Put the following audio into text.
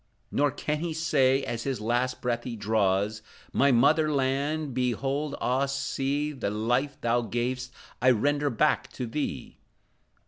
Nor can he say, as his last breath he draws, "My mother land, beloved, ah see, The life thou gav'st, I render back to thee!"